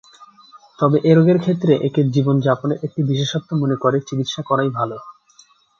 তবে এ রোগের ক্ষেত্রে একে জীবনযাপনের একটি বিশেষত্ব মনে করে চিকিৎসা করাই ভাল।